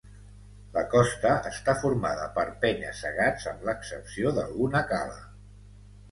La costa està formada per penya-segats amb l'excepció d'alguna cala.